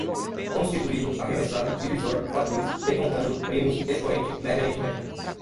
constituído, arremessado, divisor, fatores, decompondo, primos, expoente, média aritmética